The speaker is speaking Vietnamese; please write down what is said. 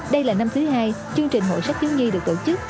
đây là năm thứ hai chương trình hội sách thiếu nhi được tổ chức